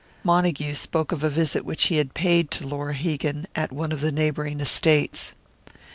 Montague spoke of a visit which he had paid to Laura Hegan, at one of the neighbouring estates.